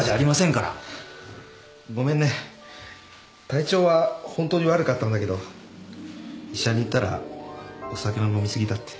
体調はホントに悪かったんだけど医者に行ったらお酒の飲みすぎだって。